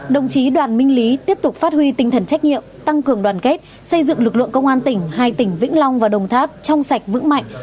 đồng chí đoàn minh lý tiếp tục phát huy tinh thần trách nhiệm tăng cường đoàn kết xây dựng lực lượng công an tỉnh hai tỉnh vĩnh long và đồng tháp trong sạch vững mạnh